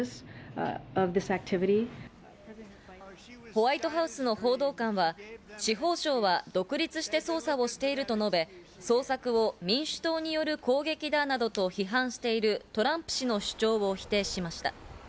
ホワイトハウスの報道官は、司法省は独立して捜査をしていると述べ、捜索を民主党による攻撃だなどと批判しているトランプ氏の主張を否定しました。